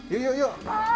yuk yuk yuk